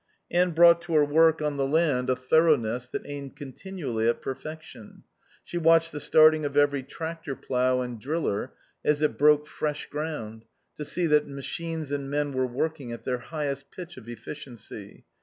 Anne brought to her work on the land a thoroughness that aimed continually at perfection. She watched the starting of every tractor plough and driller as it broke fresh ground, to see that machines and men were working at their highest pitch of efficiency.